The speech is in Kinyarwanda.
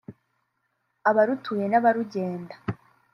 abarutuye n’abarugenda